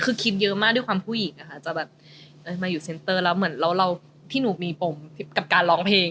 คือคิดเยอะมากด้วยความผู้หญิงอะค่ะจะแบบมาอยู่เซ็นเตอร์แล้วเหมือนเราที่หนูมีปมกับการร้องเพลง